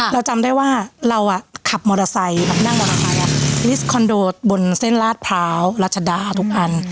เราจำได้ว่าเราอ่ะขับมอเตอร์ไซค์แบบนั่งมอเตอร์ไซค์ลิสต์คอนโดบนเส้นลาดพร้าวรัชดาทุกอัน